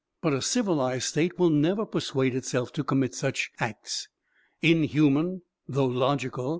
But a civilised state will never persuade itself to commit such acts, inhuman though logical.